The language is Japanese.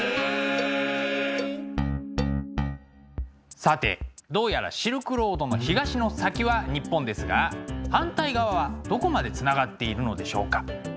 さてどうやらシルクロードの東の先は日本ですが反対側はどこまでつながっているのでしょうか？